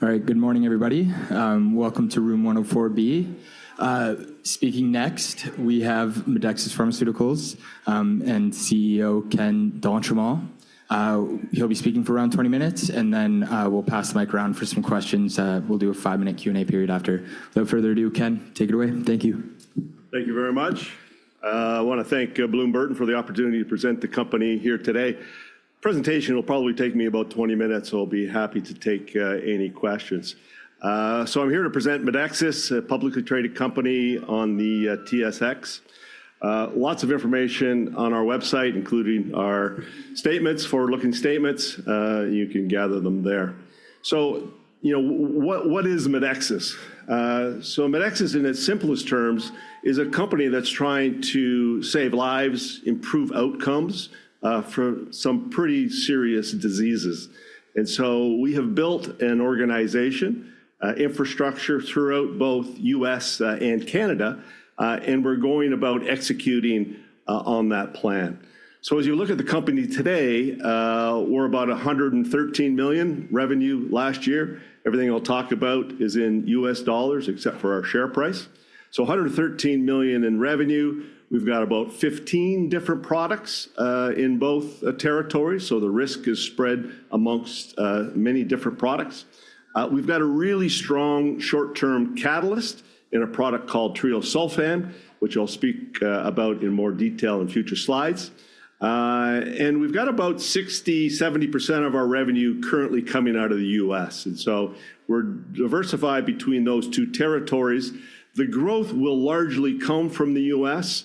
All right, good morning, everybody. Welcome to Room 104B. Speaking next, we have Medexus Pharmaceuticals and CEO Ken d'Entremont. He'll be speaking for around 20 minutes, and then we'll pass the mic around for some questions. We'll do a five-minute Q&A period after. Without further ado, Ken, take it away. Thank you. Thank you very much. I want to thank Bloom Burton for the opportunity to present the company here today. Presentation will probably take me about 20 minutes, so I'll be happy to take any questions. I am here to present Medexus, a publicly traded company on the TSX. Lots of information on our website, including our statements, forward-looking statements. You can gather them there. You know, what is Medexus? Medexus, in its simplest terms, is a company that's trying to save lives, improve outcomes for some pretty serious diseases. We have built an organization, infrastructure throughout both the U.S. and Canada, and we are going about executing on that plan. As you look at the company today, we are about $113 million revenue last year. Everything I'll talk about is in US dollars except for our share price. $113 million in revenue. We've got about 15 different products in both territories, so the risk is spread amongst many different products. We've got a really strong short-term catalyst in a product called Treosulfan, which I'll speak about in more detail in future slides. We've got about 60%-70% of our revenue currently coming out of the U.S. We are diversified between those two territories. The growth will largely come from the U.S.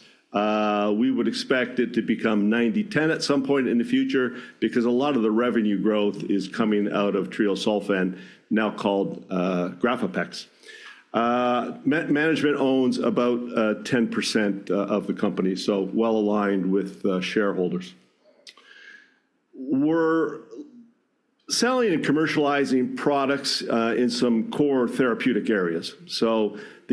We would expect it to become 90/10 at some point in the future because a lot of the revenue growth is coming out of Treosulfan, now called Grafapex. Management owns about 10% of the company, so well aligned with shareholders. We're selling and commercializing products in some core therapeutic areas.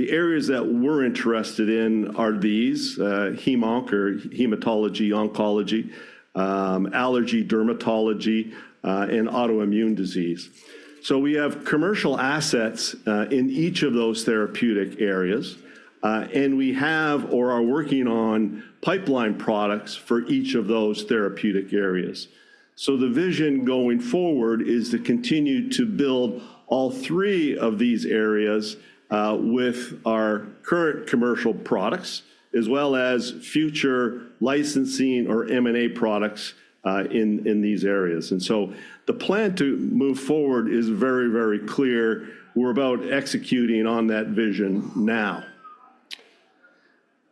The areas that we're interested in are these: hem/onc or hematology, oncology, allergy, dermatology, and autoimmune disease. We have commercial assets in each of those therapeutic areas, and we have or are working on pipeline products for each of those therapeutic areas. The vision going forward is to continue to build all three of these areas with our current commercial products, as well as future licensing or M&A products in these areas. The plan to move forward is very, very clear. We're about executing on that vision now.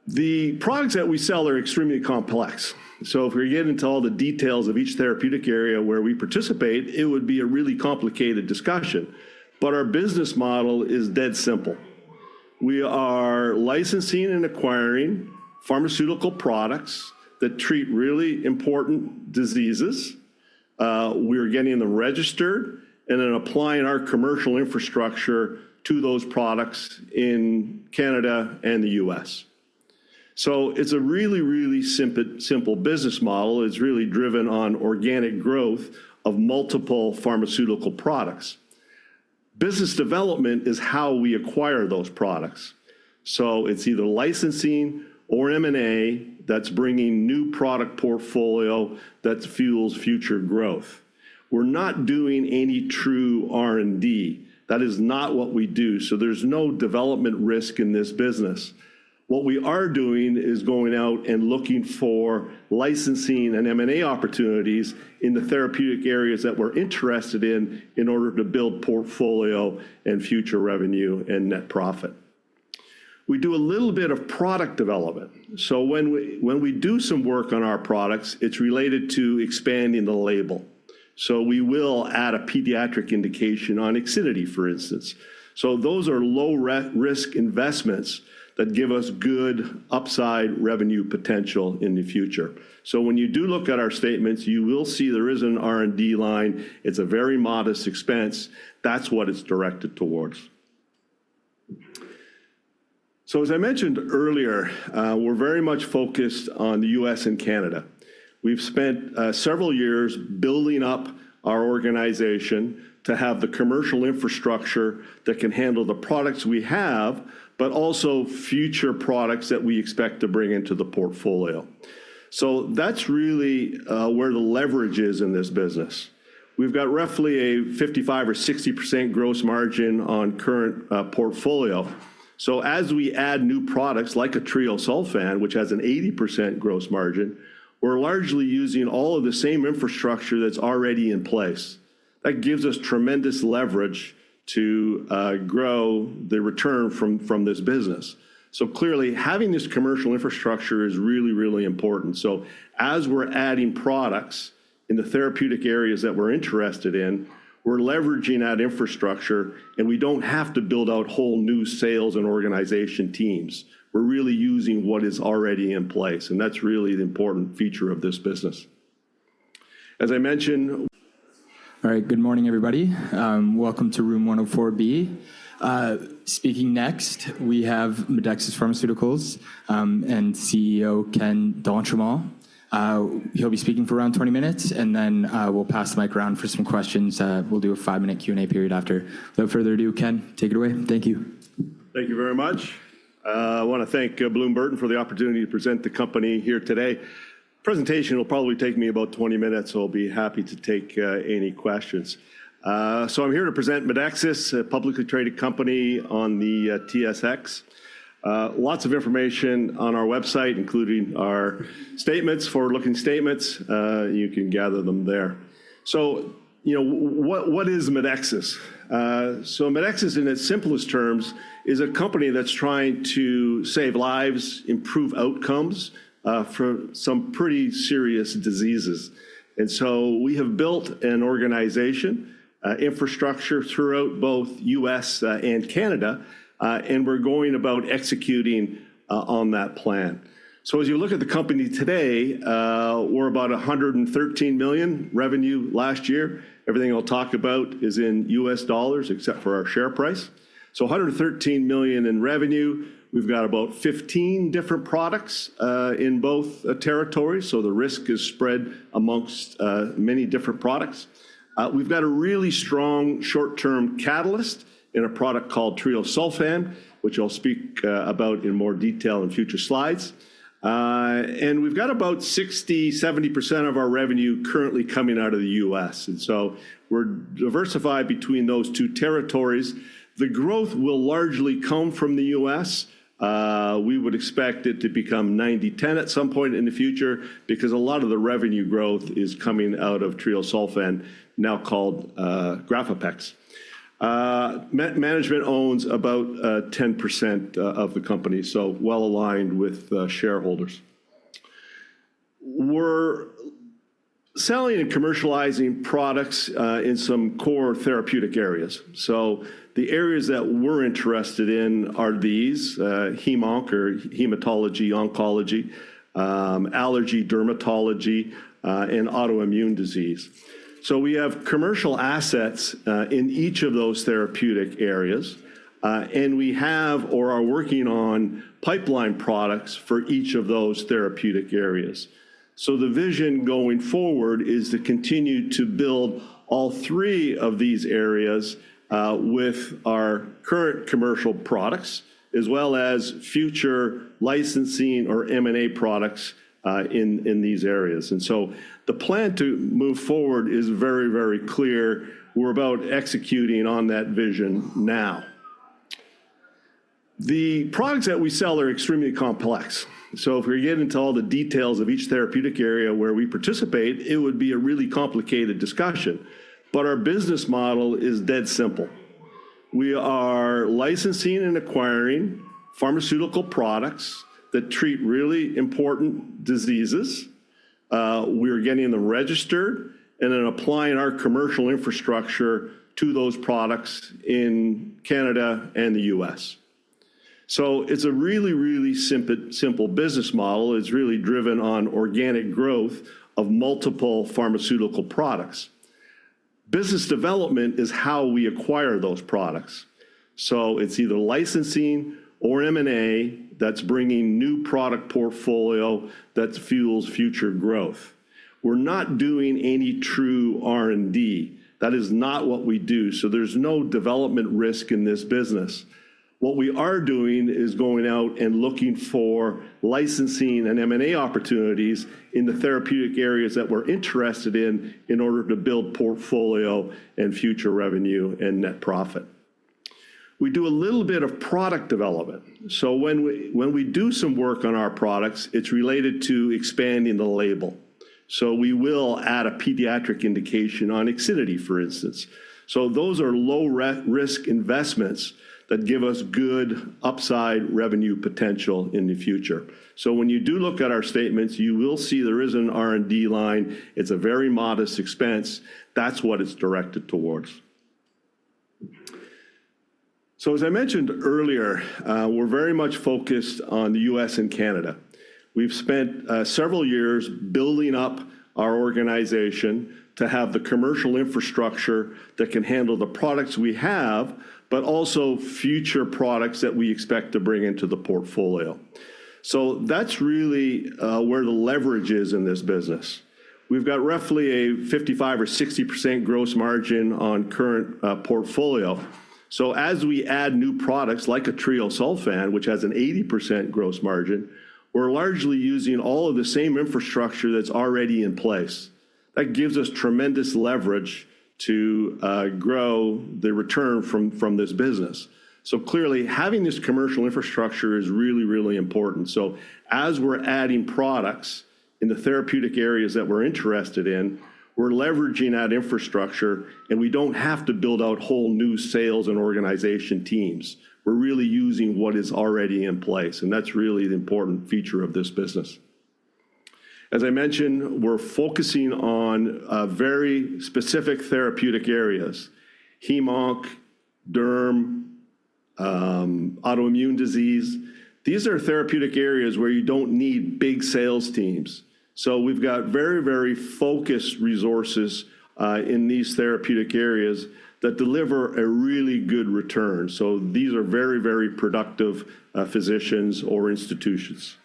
The products that we sell are extremely complex. If we're getting into all the details of each therapeutic area where we participate, it would be a really complicated discussion. Our business model is dead simple. We are licensing and acquiring pharmaceutical products that treat really important diseases. We're getting them registered and then applying our commercial infrastructure to those products in Canada and the U.S. It's a really, really simple business model. It's really driven on organic growth of multiple pharmaceutical products. Business development is how we acquire those products. It's either licensing or M&A that's bringing new product portfolio that fuels future growth. We're not doing any true R&D. That is not what we do, so there's no development risk in this business. What we are doing is going out and looking for licensing and M&A opportunities in the therapeutic areas that we're interested in in order to build portfolio and future revenue and net profit. We do a little bit of product development. When we do some work on our products, it's related to expanding the label. We will add a pediatric indication on IXINITY, for instance. Those are low-risk investments that give us good upside revenue potential in the future. When you do look at our statements, you will see there is an R&D line. It's a very modest expense. That's what it's directed towards. As I mentioned earlier, we're very much focused on the U.S. and Canada. We've spent several years building up our organization to have the commercial infrastructure that can handle the products we have, but also future products that we expect to bring into the portfolio. That's really where the leverage is in this business. We've got roughly a 55%-60% gross margin on current portfolio. As we add new products like Treosulfan, which has an 80% gross margin, we're largely using all of the same infrastructure that's already in place. That gives us tremendous leverage to grow the return from this business. Clearly, having this commercial infrastructure is really, really important. As we're adding products in the therapeutic areas that we're interested in, we're leveraging that infrastructure, and we don't have to build out whole new sales and organization teams. We're really using what is already in place, and that's really the important feature of this business, as I mentioned. All right, good morning, everybody. Welcome to Room 104B. Speaking next, we have Medexus Pharmaceuticals and CEO Ken d'Entremont. He'll be speaking for around 20 minutes, and then we'll pass the mic around for some questions. We'll do a five-minute Q&A period after. Without further ado, Ken, take it away. Thank you. Thank you very much. I want to thank Bloom Burton for the opportunity to present the company here today. Presentation will probably take me about 20 minutes, so I'll be happy to take any questions. I am here to present Medexus, a publicly traded company on the TSX. Lots of information on our website, including our statements, forward-looking statements. You can gather them there. You know, what is Medexus? Medexus, in its simplest terms, is a company that's trying to save lives, improve outcomes for some pretty serious diseases. We have built an organization, infrastructure throughout both the U.S. and Canada, and we are going about executing on that plan. As you look at the company today, we are about $113 million revenue last year. Everything I'll talk about is in US dollars except for our share price. $113 million in revenue. We've got about 15 different products in both territories, so the risk is spread amongst many different products. We've got a really strong short-term catalyst in a product called Treosulfan, which I'll speak about in more detail in future slides. We've got about 60%-70% of our revenue currently coming out of the U.S. We are diversified between those two territories. The growth will largely come from the U.S. We would expect it to become 90/10 at some point in the future because a lot of the revenue growth is coming out of Treosulfan, now called Grafapex. Management owns about 10% of the company, so well aligned with shareholders. We're selling and commercializing products in some core therapeutic areas. The areas that we're interested in are these: hem/onc or hematology, oncology, allergy, dermatology, and autoimmune disease. We have commercial assets in each of those therapeutic areas, and we have or are working on pipeline products for each of those therapeutic areas. The vision going forward is to continue to build all three of these areas with our current commercial products, as well as future licensing or M&A products in these areas. The plan to move forward is very, very clear. We're about executing on that vision now. The products that we sell are extremely complex. If we're getting into all the details of each therapeutic area where we participate, it would be a really complicated discussion. Our business model is dead simple. We are licensing and acquiring pharmaceutical products that treat really important diseases. We're getting them registered and then applying our commercial infrastructure to those products in Canada and the U.S. It's a really, really simple business model. It's really driven on organic growth of multiple pharmaceutical products. Business development is how we acquire those products. It's either licensing or M&A that's bringing new product portfolio that fuels future growth. We're not doing any true R&D. That is not what we do, so there's no development risk in this business. What we are doing is going out and looking for licensing and M&A opportunities in the therapeutic areas that we're interested in in order to build portfolio and future revenue and net profit. We do a little bit of product development. When we do some work on our products, it's related to expanding the label. We will add a pediatric indication on IXINITY, for instance. Those are low-risk investments that give us good upside revenue potential in the future. When you do look at our statements, you will see there is an R&D line. It's a very modest expense. That's what it's directed towards. As I mentioned earlier, we're very much focused on the U.S. and Canada. We've spent several years building up our organization to have the commercial infrastructure that can handle the products we have, but also future products that we expect to bring into the portfolio. That's really where the leverage is in this business. We've got roughly a 55%-60% gross margin on current portfolio. As we add new products like a Treosulfan, which has an 80% gross margin, we're largely using all of the same infrastructure that's already in place. That gives us tremendous leverage to grow the return from this business. Clearly, having this commercial infrastructure is really, really important. As we're adding products in the therapeutic areas that we're interested in, we're leveraging that infrastructure, and we don't have to build out whole new sales and organization teams. We're really using what is already in place, and that's really the important feature of this business. As I mentioned, we're focusing on very specific therapeutic areas: hem/onc, derm, autoimmune disease. These are therapeutic areas where you don't need big sales teams. We've got very, very focused resources in these therapeutic areas that deliver a really good return. These are very, very productive physicians or institutions.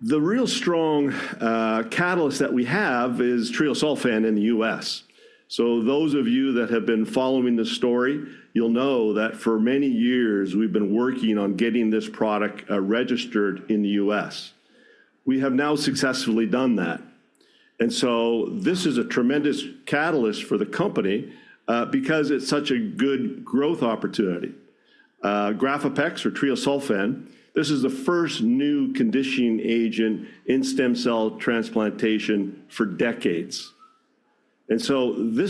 The real strong catalyst that we have is Treosulfan in the U.S. Those of you that have been following the story, you'll know that for many years we've been working on getting this product registered in the U.S. We have now successfully done that. This is a tremendous catalyst for the company because it's such a good growth opportunity. Grafapex or Treosulfan, this is the first new conditioning agent in stem cell transplantation for decades. This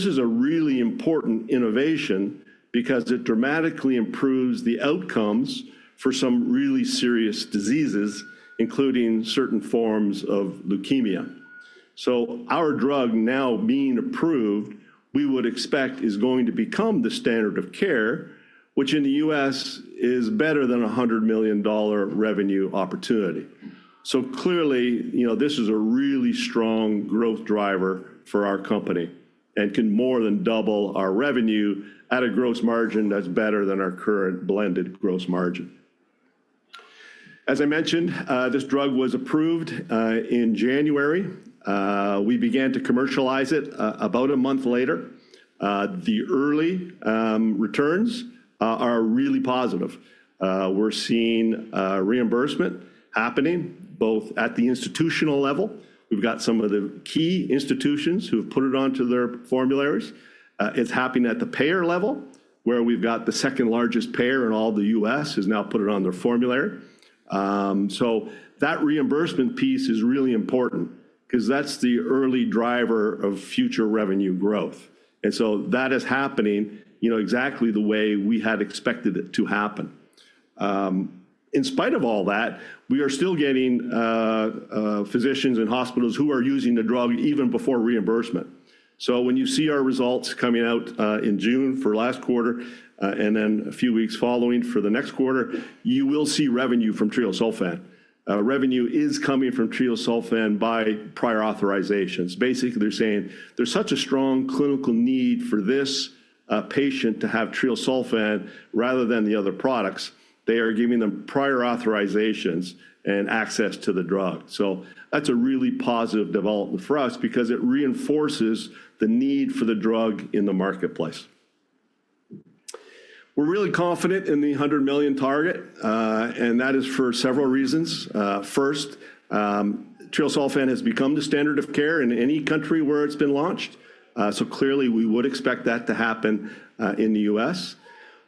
is a really important innovation because it dramatically improves the outcomes for some really serious diseases, including certain forms of leukemia. Our drug, now being approved, we would expect is going to become the standard of care, which in the US is better than a $100 million revenue opportunity. Clearly, you know, this is a really strong growth driver for our company and can more than double our revenue at a gross margin that's better than our current blended gross margin. As I mentioned, this drug was approved in January. We began to commercialize it about a month later. The early returns are really positive. We're seeing reimbursement happening both at the institutional level. We've got some of the key institutions who have put it onto their formularies. It's happening at the payer level, where we've got the second largest payer in all the U.S. has now put it on their formulary. That reimbursement piece is really important because that's the early driver of future revenue growth. That is happening, you know, exactly the way we had expected it to happen. In spite of all that, we are still getting physicians and hospitals who are using the drug even before reimbursement. When you see our results coming out in June for last quarter and then a few weeks following for the next quarter, you will see revenue from Treosulfan. Revenue is coming from Treosulfan by prior authorizations. Basically, they're saying there's such a strong clinical need for this patient to have Treosulfan rather than the other products. They are giving them prior authorizations and access to the drug. That is a really positive development for us because it reinforces the need for the drug in the marketplace. We're really confident in the $100 million target, and that is for several reasons. First, Treosulfan has become the standard of care in any country where it's been launched. Clearly, we would expect that to happen in the U.S.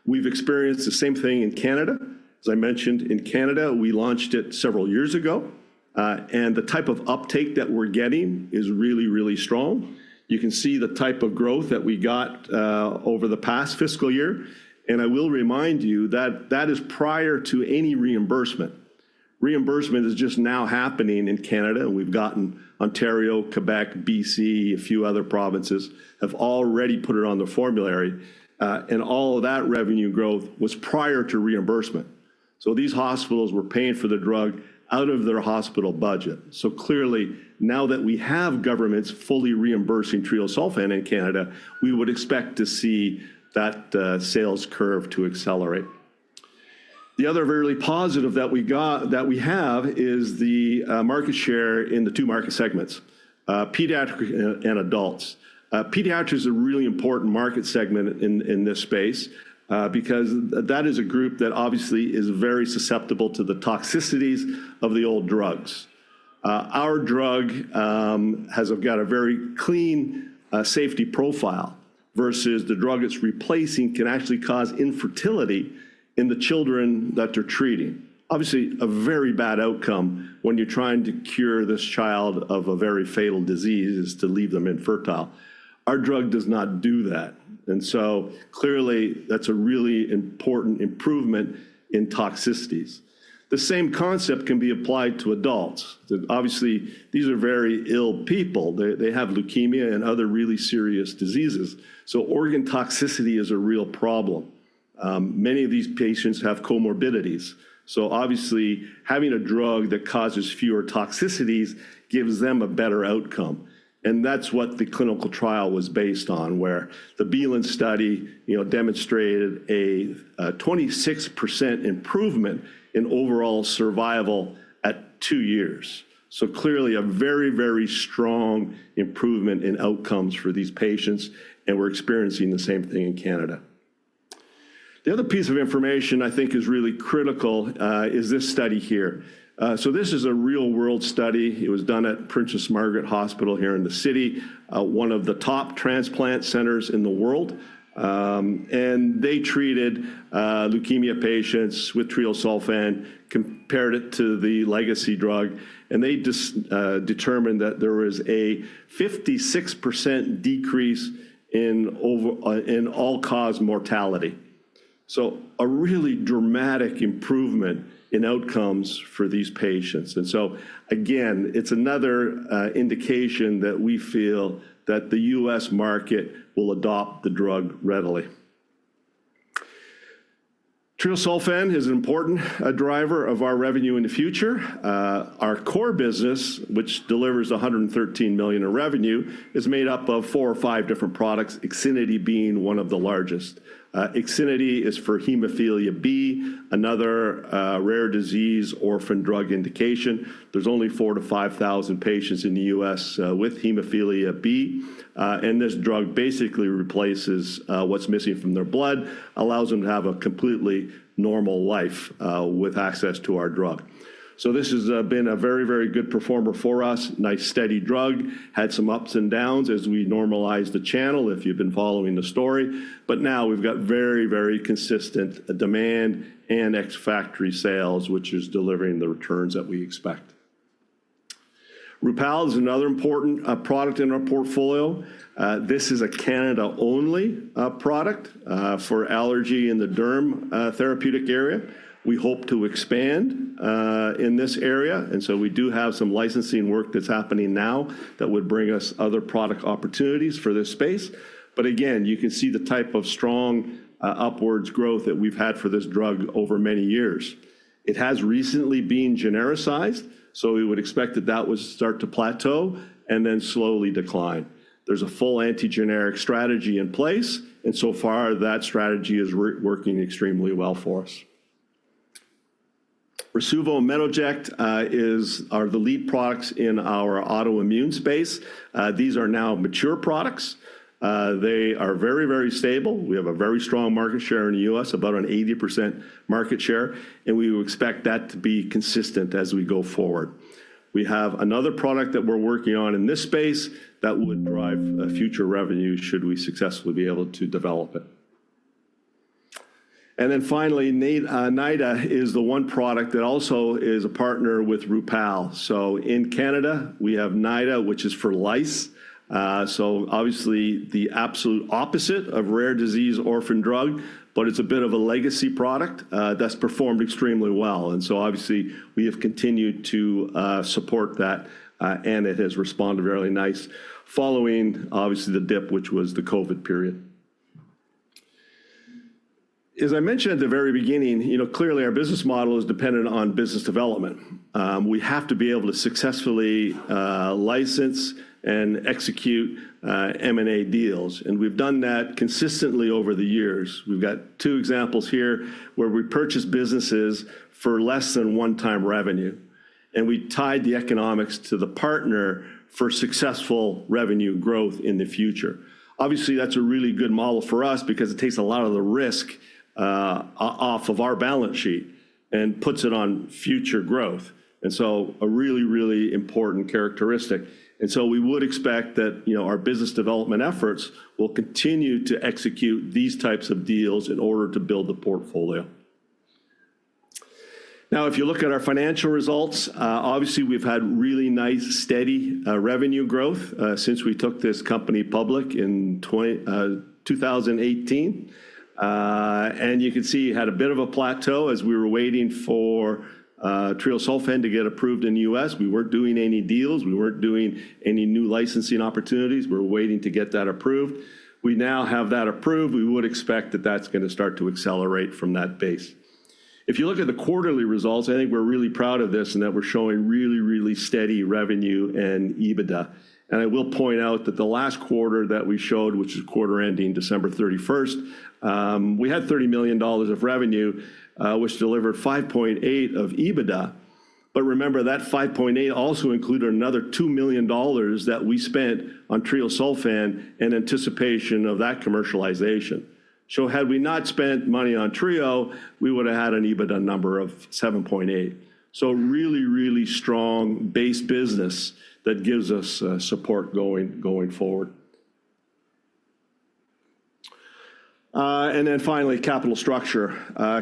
We've experienced the same thing in Canada. As I mentioned, in Canada, we launched it several years ago, and the type of uptake that we're getting is really, really strong. You can see the type of growth that we got over the past fiscal year. I will remind you that that is prior to any reimbursement. Reimbursement is just now happening in Canada, and we've gotten Ontario, Quebec, BC, a few other provinces have already put it on their formulary. All of that revenue growth was prior to reimbursement. These hospitals were paying for the drug out of their hospital budget. Clearly, now that we have governments fully reimbursing Treosulfan in Canada, we would expect to see that sales curve accelerate. The other very positive that we have is the market share in the two market segments, pediatric and adults. Pediatrics is a really important market segment in this space because that is a group that obviously is very susceptible to the toxicities of the old drugs. Our drug has got a very clean safety profile versus the drug it's replacing can actually cause infertility in the children that they're treating. Obviously, a very bad outcome when you're trying to cure this child of a very fatal disease is to leave them infertile. Our drug does not do that. Clearly, that's a really important improvement in toxicities. The same concept can be applied to adults. Obviously, these are very ill people. They have leukemia and other really serious diseases. Organ toxicity is a real problem. Many of these patients have comorbidities. Obviously, having a drug that causes fewer toxicities gives them a better outcome. That's what the clinical trial was based on, where the Behlind study, you know, demonstrated a 26% improvement in overall survival at two years. Clearly, a very, very strong improvement in outcomes for these patients. We're experiencing the same thing in Canada. The other piece of information I think is really critical is this study here. This is a real-world study. It was done at Princess Margaret Hospital here in the city, one of the top transplant centers in the world. They treated leukemia patients with Treosulfan, compared it to the legacy drug, and they determined that there was a 56% decrease in all-cause mortality. A really dramatic improvement in outcomes for these patients. Again, it's another indication that we feel that the U.S. market will adopt the drug readily. Treosulfan is an important driver of our revenue in the future. Our core business, which delivers $113 million in revenue, is made up of four or five different products, IXINITY being one of the largest. IXINITY is for hemophilia B, another rare disease orphan drug indication. There's only 4,000-5,000 patients in the U.S. with hemophilia B. This drug basically replaces what's missing from their blood, allows them to have a completely normal life with access to our drug. This has been a very, very good performer for us, nice steady drug, had some ups and downs as we normalized the channel, if you've been following the story. Now we've got very, very consistent demand and ex-factory sales, which is delivering the returns that we expect. Rupall is another important product in our portfolio. This is a Canada-only product for allergy in the derm therapeutic area. We hope to expand in this area. We do have some licensing work that's happening now that would bring us other product opportunities for this space. You can see the type of strong upwards growth that we've had for this drug over many years. It has recently been genericized, so we would expect that that would start to plateau and then slowly decline. There's a full anti-generic strategy in place, and so far that strategy is working extremely well for us. Rasuvo and Metoject are the lead products in our autoimmune space. These are now mature products. They are very, very stable. We have a very strong market share in the U.S., about an 80% market share, and we would expect that to be consistent as we go forward. We have another product that we're working on in this space that would drive future revenue should we successfully be able to develop it. Finally, Nyda is the one product that also is a partner with Rupall. In Canada, we have Nyda, which is for lice. Obviously, the absolute opposite of rare disease orphan drug, but it's a bit of a legacy product that's performed extremely well. Obviously, we have continued to support that, and it has responded very nice following, obviously, the dip, which was the COVID period. As I mentioned at the very beginning, you know, clearly our business model is dependent on business development. We have to be able to successfully license and execute M&A deals, and we've done that consistently over the years. We've got two examples here where we purchase businesses for less than one-time revenue, and we tied the economics to the partner for successful revenue growth in the future. Obviously, that's a really good model for us because it takes a lot of the risk off of our balance sheet and puts it on future growth. A really, really important characteristic. We would expect that, you know, our business development efforts will continue to execute these types of deals in order to build the portfolio. Now, if you look at our financial results, obviously we've had really nice steady revenue growth since we took this company public in 2018. You can see it had a bit of a plateau as we were waiting for Treosulfan to get approved in the U.S. We were not doing any deals. We were not doing any new licensing opportunities. We were waiting to get that approved. We now have that approved. We would expect that is going to start to accelerate from that base. If you look at the quarterly results, I think we are really proud of this and that we are showing really, really steady revenue and EBITDA. I will point out that the last quarter that we showed, which is quarter ending December 31st, we had $30 million of revenue, which delivered 5.8 of EBITDA. Remember that 5.8 also included another $2 million that we spent on Treosulfan in anticipation of that commercialization. Had we not spent money on Treo, we would have had an EBITDA number of 7.8. Really, really strong base business that gives us support going forward. Finally, capital structure.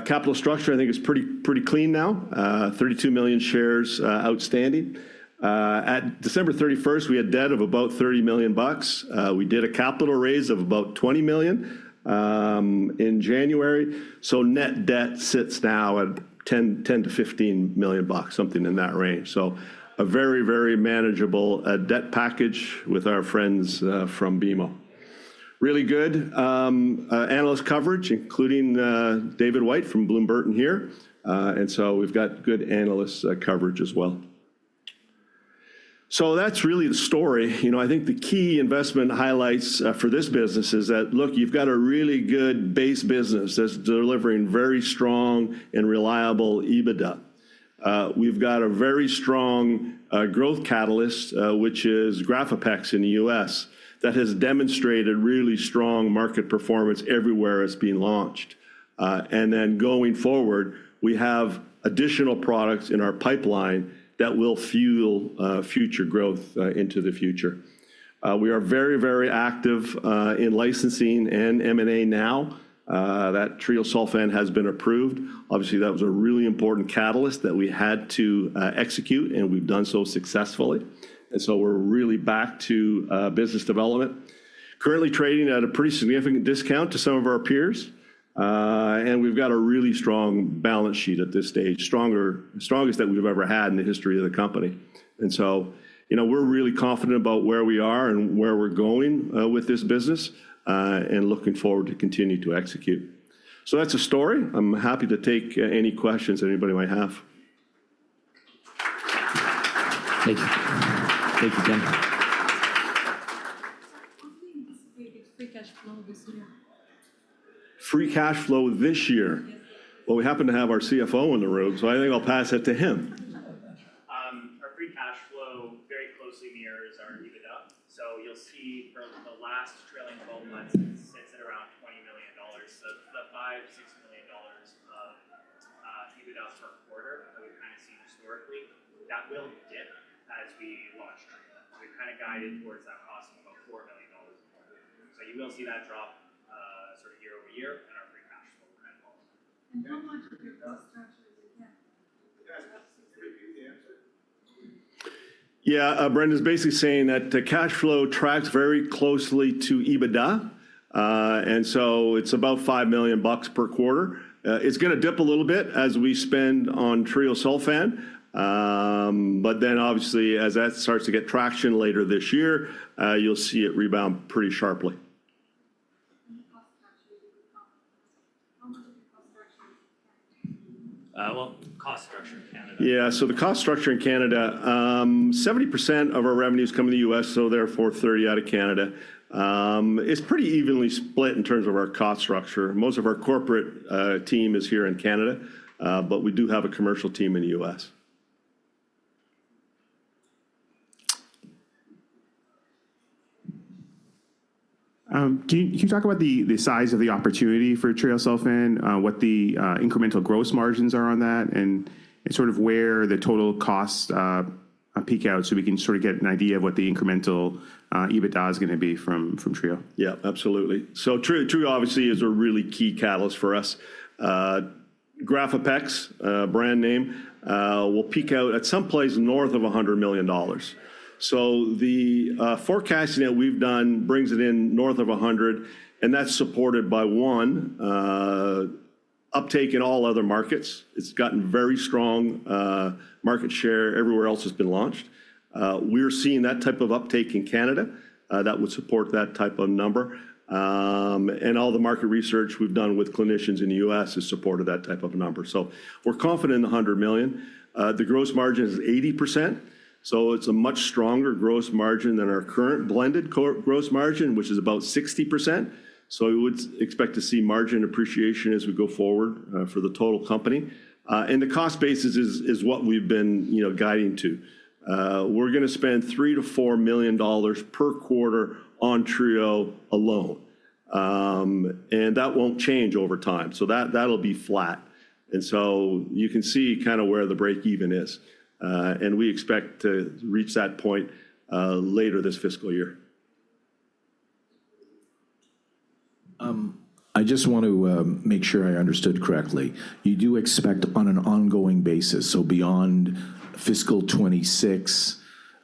Capital structure, I think, is pretty clean now, 32 million shares outstanding. At December 31st, we had debt of about $30 million. We did a capital raise of about $20 million in January. Net debt sits now at $10 million-$15 million, something in that range. A very, very manageable debt package with our friends from BMO. Really good analyst coverage, including David White from Bloom Burton here. We have good analyst coverage as well. That is really the story. You know, I think the key investment highlights for this business is that, look, you have a really good base business that is delivering very strong and reliable EBITDA. We have a very strong growth catalyst, which is Grafapex in the U.S., that has demonstrated really strong market performance everywhere it is being launched. Going forward, we have additional products in our pipeline that will fuel future growth into the future. We are very, very active in licensing and M&A now that Treosulfan has been approved. Obviously, that was a really important catalyst that we had to execute, and we have done so successfully. We are really back to business development, currently trading at a pretty significant discount to some of our peers. We have a really strong balance sheet at this stage, stronger, strongest that we have ever had in the history of the company. You know, we are really confident about where we are and where we are going with this business and looking forward to continue to execute. That is the story. I am happy to take any questions that anybody might have. Thank you. Thank you, Ken. free cash flow this year. Free cash flow this year? Yes. We happen to have our CFO in the room, so I think I will pass it to him. Our free cash flow very closely mirrors our EBITDA. You will see from the last trailing 12 months, it is at around $20 million. The $5 million-$6 million of EBITDA per quarter that we have kind of seen historically, that will dip as we launch them. We've kind of guided towards that cost of about $4 million a quarter. You will see that drop sort of year-over-year in our free cash flow trend. How much do your costs track towards the capex? Brendan's basically saying that the cash flow tracks very closely to EBITDA, and so it's about $5 million per quarter. It's going to dip a little bit as we spend on Treosulfan, but then obviously as that starts to get traction later this year, you'll see it rebound pretty sharply. cost structure in Canada. The cost structure in Canada, 70% of our revenues come in the U.S., so therefore 30% out of Canada. It's pretty evenly split in terms of our cost structure. Most of our corporate team is here in Canada, but we do have a commercial team in the U.S. Can you talk about the size of the opportunity for Treosulfan, what the incremental gross margins are on that, and sort of where the total cost peaks out so we can sort of get an idea of what the incremental EBITDA is going to be from Trio? Yeah, absolutely. So Trio obviously is a really key catalyst for us. Grafapex, brand name, will peak out at some place north of $100 million. The forecasting that we've done brings it in north of $100 million, and that's supported by one, uptake in all other markets. It's gotten very strong market share everywhere else it's been launched. We're seeing that type of uptake in Canada that would support that type of number. All the market research we've done with clinicians in the U.S. has supported that type of number. We're confident in the $100 million. The gross margin is 80%, so it's a much stronger gross margin than our current blended gross margin, which is about 60%. We would expect to see margin appreciation as we go forward for the total company. The cost basis is what we've been guiding to. We're going to spend $3 million-$4 million per quarter on Trio alone, and that won't change over time. That'll be flat. You can see kind of where the breakeven is, and we expect to reach that point later this fiscal year. I just want to make sure I understood correctly. You do expect on an ongoing basis, so beyond fiscal 2026,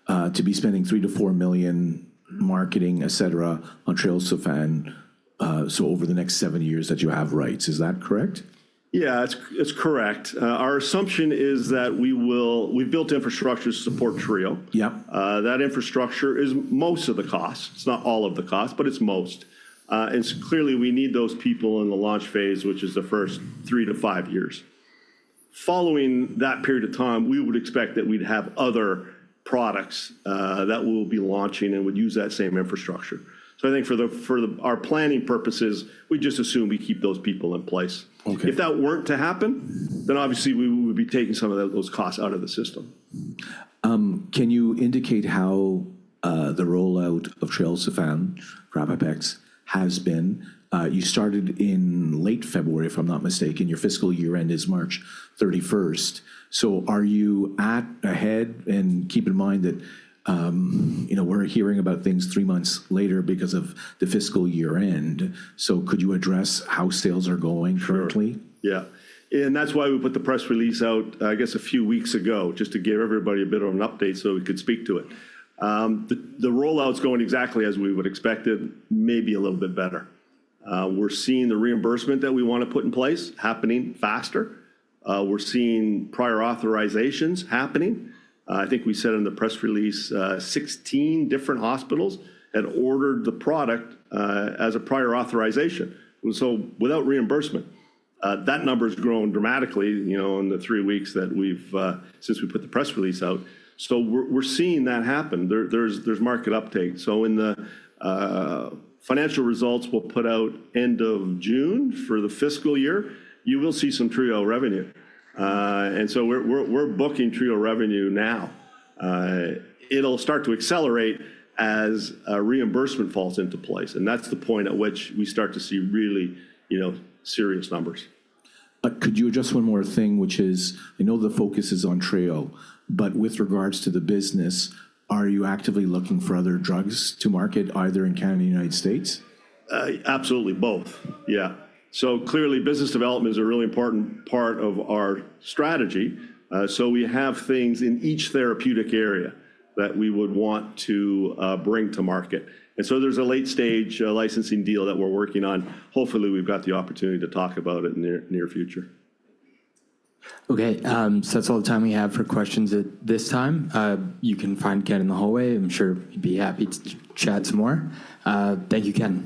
to be spending $3 million-$4 million marketing, et cetera, on Treosulfan over the next seven years that you have rights. Is that correct? Yeah, it's correct. Our assumption is that we will, we've built infrastructure to support Trio. Yep. That infrastructure is most of the cost. It's not all of the cost, but it's most. Clearly we need those people in the launch phase, which is the first three to five years. Following that period of time, we would expect that we'd have other products that we'll be launching and would use that same infrastructure. I think for our planning purposes, we just assume we keep those people in place. If that weren't to happen, then obviously we would be taking some of those costs out of the system. Can you indicate how the rollout of Treosulfan, Grafapex has been? You started in late February, if I'm not mistaken, your fiscal year end is March 31st. Are you ahead? Keep in mind that we're hearing about things three months later because of the fiscal year end. Could you address how sales are going currently? Yeah. That's why we put the press release out, I guess, a few weeks ago, just to give everybody a bit of an update so we could speak to it. The rollout's going exactly as we would expect it, maybe a little bit better. We're seeing the reimbursement that we want to put in place happening faster. We're seeing prior authorizations happening. I think we said in the press release, 16 different hospitals had ordered the product as a prior authorization. Without reimbursement, that number has grown dramatically in the three weeks since we put the press release out. We're seeing that happen. There's market uptake. In the financial results we'll put out end of June for the fiscal year, you will see some Trio revenue. We're booking Trio revenue now. It'll start to accelerate as reimbursement falls into place. That's the point at which we start to see really serious numbers. Could you address one more thing, which is I know the focus is on Trio, but with regards to the business, are you actively looking for other drugs to market either in Canada or the United States? Absolutely both. Yeah. Clearly business development is a really important part of our strategy. We have things in each therapeutic area that we would want to bring to market. There's a late-stage licensing deal that we're working on. Hopefully we've got the opportunity to talk about it in the near future. Okay. That's all the time we have for questions at this time. You can find Ken in the hallway. I'm sure he'd be happy to chat some more. Thank you, Ken.